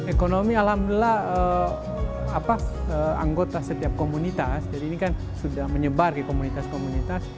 ekonomi alhamdulillah anggota setiap komunitas jadi ini kan sudah menyebar di komunitas komunitas